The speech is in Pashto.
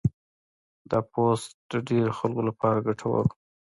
دا پوسټ د ډېرو خلکو لپاره ګټور و.